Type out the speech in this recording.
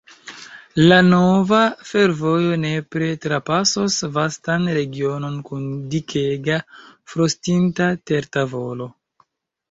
La nova fervojo nepre trapasos vastan regionon kun dikega frostinta tertavolo.